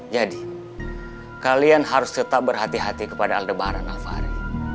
jadi kalian harus tetap berhati hati kepada aldebaran alvari